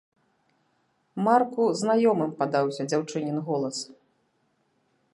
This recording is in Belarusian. Марку знаёмым падаўся дзяўчынін голас.